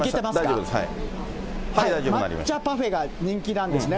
抹茶パフェが人気なんですね。